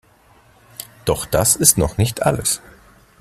Doch das ist noch nicht alles.